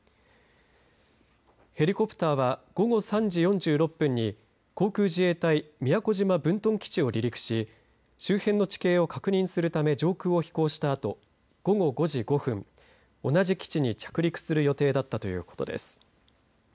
ヘリコプターは午後３時４６分に航空自衛隊宮古島分屯基地を離陸し周辺の地形を確認するため上空を飛行したあと午後５時５分同じ基地に着陸する予定だったということです。